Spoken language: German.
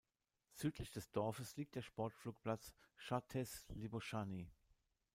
Südlich des Dorfes liegt der Sportflugplatz Žatec-Libočany.